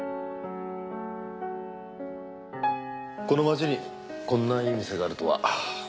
この町にこんないい店があるとは。